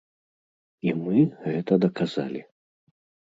І мы гэта даказалі!